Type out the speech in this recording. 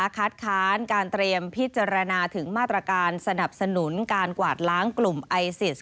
คัดค้านการเตรียมพิจารณาถึงมาตรการสนับสนุนการกวาดล้างกลุ่มไอซิส